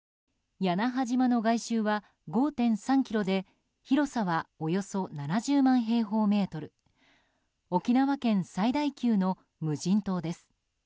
屋那覇島の外周は５．３ｋｍで広さはおよそ７０万平方メートル沖縄県最大級の無人島です。